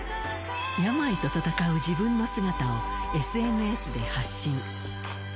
病と闘う自分の姿をＳＮＳで発信。